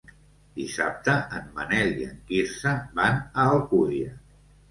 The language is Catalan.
Dissabte en Manel i en Quirze van a Alcúdia.